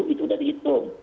itu udah dihitung